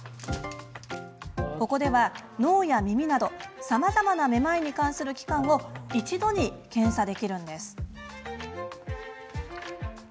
ここでは脳や耳などさまざまなめまいに関する器官を一度に検査できるんです。